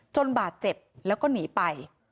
บาดเจ็บแล้วก็หนีไป